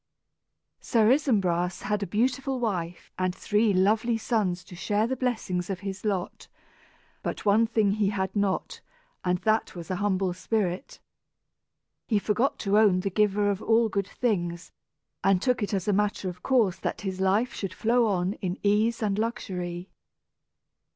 Sir Isumbras had a beautiful wife and three lovely sons to share the blessings of his lot; but one thing he had not, and that was an humble spirit. He forgot to own the Giver of good things, and took it as a matter of course that his life should flow on in ease and luxury.